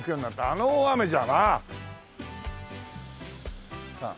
あの大雨じゃなあ！